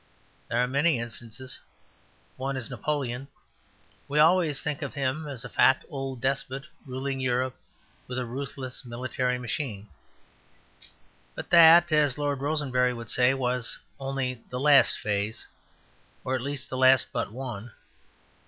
There are many instances. One is Napoleon. We always think of him as a fat old despot, ruling Europe with a ruthless military machine. But that, as Lord Rosebery would say, was only "The Last Phase"; or at least the last but one.